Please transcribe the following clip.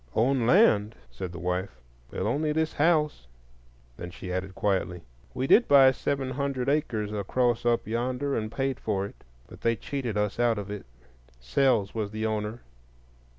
"Own land?" said the wife; "well, only this house." Then she added quietly. "We did buy seven hundred acres across up yonder, and paid for it; but they cheated us out of it. Sells was the owner."